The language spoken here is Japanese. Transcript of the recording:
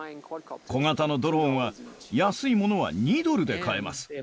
小型のドローンは、安いものは２ドルで買えます。